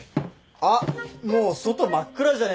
あっもう外真っ暗じゃねえか。